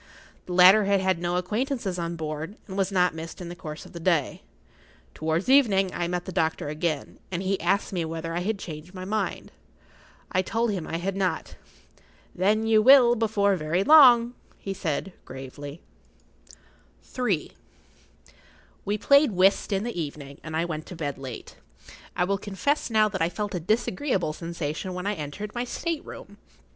The latter had had no acquaintances on board, and was not missed in the course of the day. Towards evening I met the[Pg 35] doctor again, and he asked me whether I had changed my mind. I told him I had not. "Then you will before long," he said, very gravely. [Pg 36] III. We played whist in the evening, and I went to bed late. I will confess now that I felt a disagreeable sensation when I entered my state room.